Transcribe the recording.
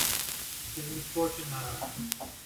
His misfortune, not ours.